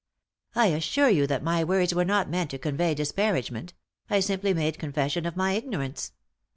" I assure you that my words were not meant to convey disparagement ; I simply made confession of my ignorance."